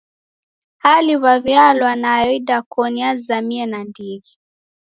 Hali w'aw'ialwa nayo idakoni yazamie nandighi.